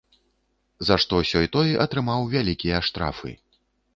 За што сёй-той атрымаў вялікія штрафы.